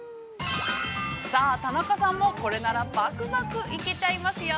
◆さあ、田中さんも、これならばくばく、いけちゃいますよ。